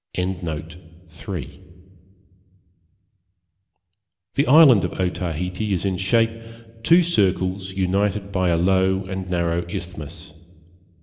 The island of Otaheite is in shape two circles united by a low and narrow isthmus.